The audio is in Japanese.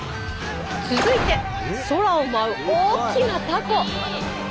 続いて空を舞う大きなたこ。